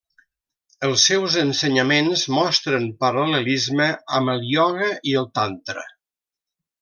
Els seus ensenyaments mostren paral·lelismes amb el ioga i el tantra.